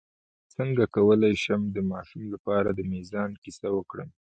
څنګه کولی شم د ماشومانو لپاره د میزان کیسه وکړم